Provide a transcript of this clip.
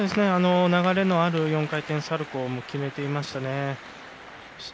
流れのある４回転サルコー決めていましたね。